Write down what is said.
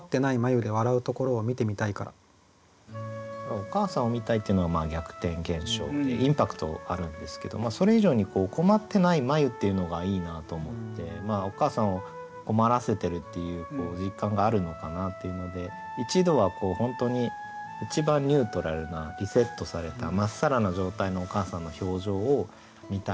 「おかあさんを産みたい」っていうのは逆転現象でインパクトあるんですけどそれ以上に「困ってない眉」っていうのがいいなと思っておかあさんを困らせてるっていう実感があるのかなっていうので一度は本当に一番ニュートラルなリセットされたまっさらな状態のおかあさんの表情を見たいのかなと。